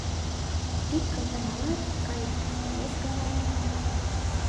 Ик гана налат — кая, вес гана...